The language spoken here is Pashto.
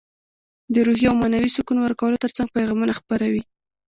د روحي او معنوي سکون ورکولو ترڅنګ پیغامونه خپروي.